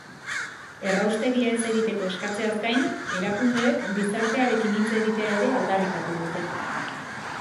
Erraustegia ez egiteko eskatzeaz gain, erakundeek gizartearekin hitz egitea ere aldarrikatu dute.